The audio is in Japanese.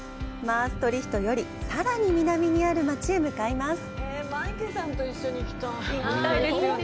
マーストリヒトよりさらに南にある街へ向かいます。